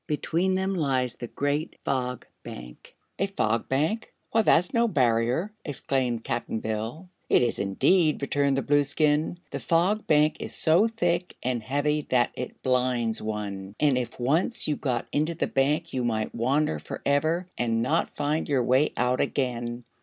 "Between them lies the Great Fog Bank." "A fog bank? Why, that's no barrier!" exclaimed Cap'n Bill. "It is, indeed," returned the Blueskin. "The Fog Bank is so thick and heavy that it blinds one, and if once you got into the Bank you might wander forever and not find your way out again.